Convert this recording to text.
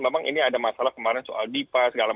memang ini ada masalah kemarin soal dipa